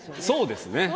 そうですね。